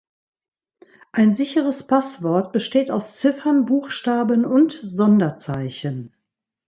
Ein sicheres Passwort besteht aus Ziffern, Buchstaben und Sonderzeichen.